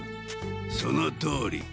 そのとおり。